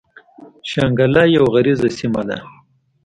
شانګله يوه غريزه سيمه ده ـ